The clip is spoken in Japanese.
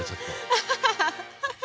アハハハハ！